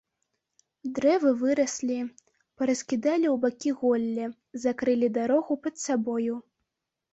Дрэвы выраслі, параскідалі ў бакі голле, закрылі дарогу пад сабою.